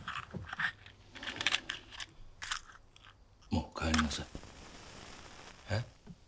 もう帰りなさいえっ？